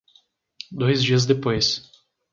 Dois dias depois